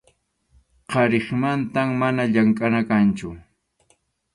qariqmantam mana llamkʼana kanchu.